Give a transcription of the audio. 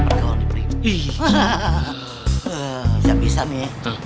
pergaulannya bisa bisa dia kelipat amat obat ini